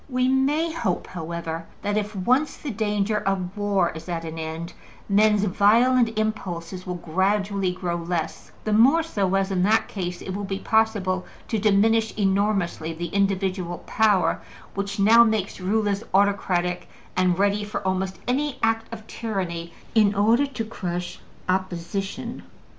We may hope, however, that if once the danger of war is at an end, men's violent impulses will gradually grow less, the more so as, in that case, it will be possible to diminish enormously the individual power which now makes rulers autocratic and ready for almost any act of tyranny in order to crush opposition.